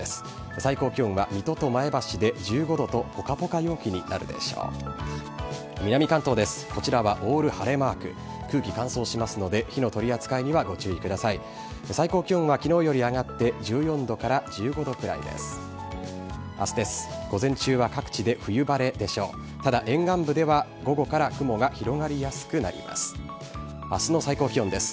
最高気温はきのうより上がって１４度から１５度くらいです。